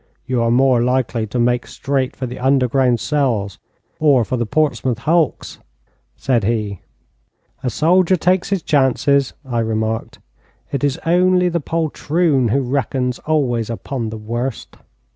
'You are more likely to make straight for the underground cells, or for the Portsmouth hulks,' said he. 'A soldier takes his chances,' I remarked. 'It is only the poltroon who reckons always upon the worst.'